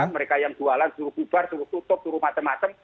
mereka yang jualan turut bubar turut tutup turut macam macam